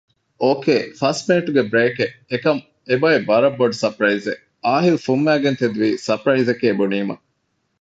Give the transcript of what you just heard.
އޯކޭ ފަސް މިނެޓުގެ ބްރޭކެއް އެކަމް އެބޮތް ވަރަށް ބޮޑު ސަޕްރައިޒެއް އާހިލް ފުންމައިގެން ތެދުވީ ސަޕްރައިޒެކޭ ބުނީމަ